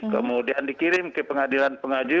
kemudian dikirim ke pengadilan pengaju